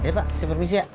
oke pak saya permisi ya